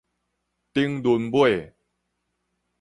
頂崙尾